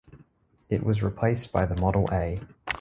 It was replaced by the Model A.